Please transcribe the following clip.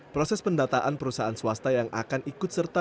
proses pendataan perusahaan swasta yang akan ikut serta